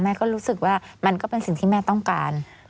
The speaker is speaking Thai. รู้สึกว่ามันก็เป็นสิ่งที่แม่ต้องการ